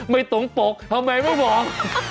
ไม่ตรงปกทำไมไม่บอก